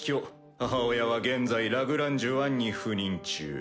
母親は現在ラグランジュ１に赴任中。